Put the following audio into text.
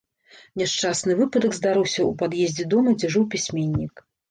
Няшчасны выпадак здарыўся ў пад'ездзе дома, дзе жыў пісьменнік.